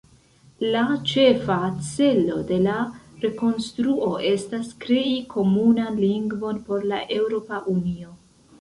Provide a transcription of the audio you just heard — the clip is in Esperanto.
La ĉefa celo de la rekonstruo estas krei komunan lingvon por la Eŭropa Unio.